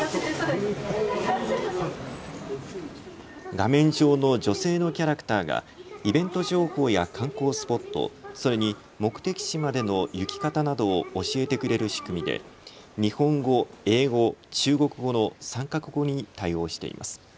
画面上の女性のキャラクターがイベント情報や観光スポット、それに目的地までの行き方などを教えてくれる仕組みで日本語、英語、中国語の３か国語に対応しています。